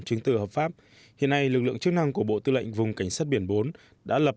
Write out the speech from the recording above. chứng từ hợp pháp hiện nay lực lượng chức năng của bộ tư lệnh vùng cảnh sát biển bốn đã lập